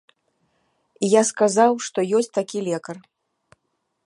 Я сказаў, што ёсць такі лекар.